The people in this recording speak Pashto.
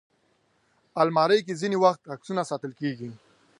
الماري کې ځینې وخت عکسونه ساتل کېږي